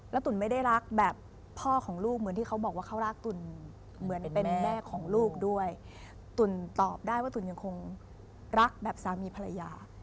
แล้วตุ๋นไม่ได้รักแบบพ่อของลูกเหมือนที่เขาบอกว่าเขารักตุ่นเหมือนเป็นแม่ของลูกด้วยตุ๋นตอบได้ว่าตุ๋นยังคงรักแบบสามีภรรยา